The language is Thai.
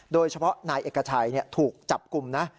โดยเฉพาะนายเอกชัยถูกจับกลุ่มนะ